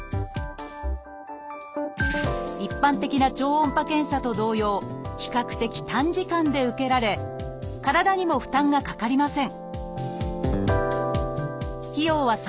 一般的な超音波検査と同様比較的短時間で受けられ体にも負担がかかりません